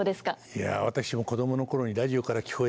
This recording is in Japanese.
いや私も子供の頃にラジオから聞こえてくる